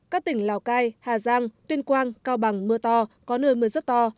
các tỉnh lào cai hà giang tuyên quang cao bằng mưa to có nơi mưa rất to